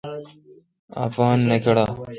اپان نہ کڑہ۔